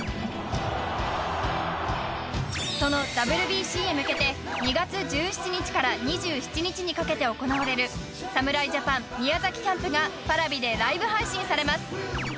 そのＷＢＣへ向けて２月１７日から２７日にかけて行われる侍ジャパン宮崎キャンプがＰａｒａｖｉでライブ配信されます